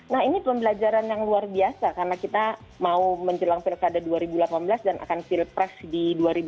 nah ini pembelajaran yang luar biasa karena kita mau menjelang pilkada dua ribu delapan belas dan akan pilpres di dua ribu sembilan belas